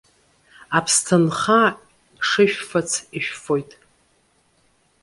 Аԥсҭынха шышәфац ишәфоит.